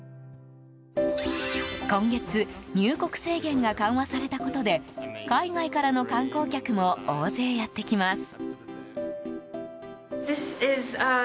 今月、入国制限が緩和されたことで海外からの観光客も大勢やってきます。